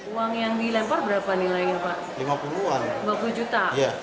uang yang dilempar berapa nilainya pak